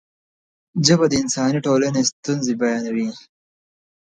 ژبه د انساني ټولنې ستونزې بیانوي.